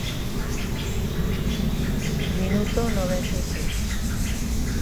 Minuto noventa e seis.